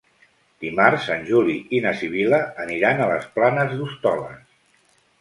Dimarts en Juli i na Sibil·la aniran a les Planes d'Hostoles.